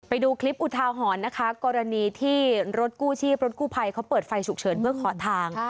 ไปดูคลิปอุทาหรณ์นะคะกรณีที่รถกู้ชีพรถกู้ภัยเขาเปิดไฟฉุกเฉินเพื่อขอทาง